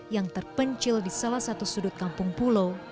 yang terpencil di salah satu sudut kampung pulau